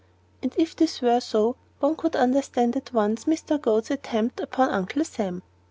And if this were so, one could understand at once Mr. Goad's attempt upon Uncle Sam.